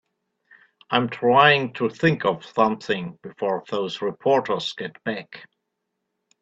I'm trying to think of something before those reporters get back.